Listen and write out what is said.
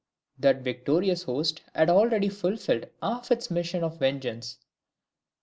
That victorious host had already fulfilled half its mission of vengeance.